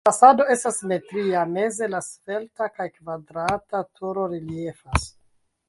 La fasado estas simetria, meze la svelta kaj kvadrata turo reliefas.